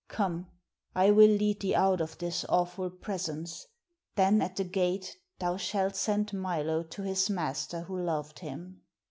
Come, I will lead thee out of this awful presence; then at the gate thou shalt send Milo to his master who loved him."